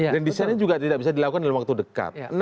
grand design nya juga tidak bisa dilakukan dalam waktu dekat